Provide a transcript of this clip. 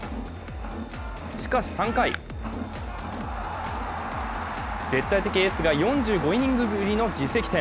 しかし３回、絶対的エースが４５イニングぶりの自責点。